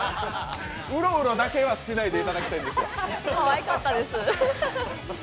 うろうろだけはしないでいただきたいんですよ。